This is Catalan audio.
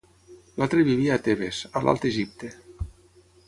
L'altre vivia a Tebes, a l'Alt Egipte.